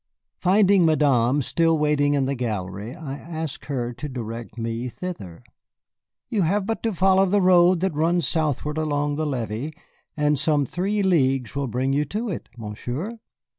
Finding Madame still waiting in the gallery, I asked her to direct me thither. "You have but to follow the road that runs southward along the levee, and some three leagues will bring you to it, Monsieur.